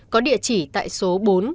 có địa chỉ tại số bốn nguyễn thịnh pháp